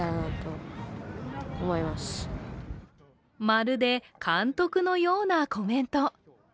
まるで監督のようなコメント。